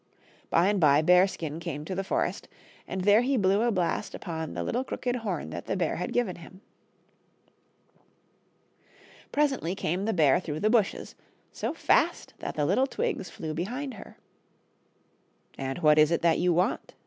By and by Bearskin came to the forest, and there he blew a blast upon the little crooked horn that the bear had given him. Presently came the bear through the bushes, so fast that the little twigs flew behind her. " And what is it that you want ?"